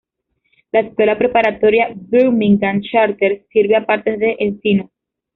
La Escuela Preparatoria Birmingham Charter sirve a partes de Encino.